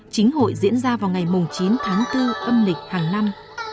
chính hội diễn ra vào ngày chín tháng bốn âm lịch hàng năm